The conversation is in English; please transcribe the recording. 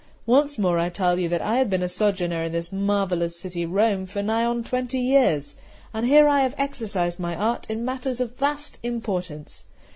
Once more I tell you that I have been a sojourner in this marvellous city Rome for nigh on twenty years, and here I have exercised my art in matters of vast importance.